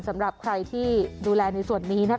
สำหรับใครที่ดูแลในส่วนนี้นะคะ